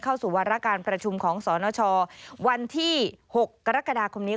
เข้าสู่วารการประชุมของสนชวันที่๖กรกฎาคมนี้